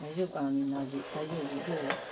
みんな味大丈夫？